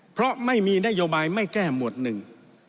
เพราะไม่มีนโยบายไม่แก้หมวดหนึ่ง